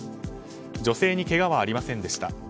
女性にけがはありませんでした。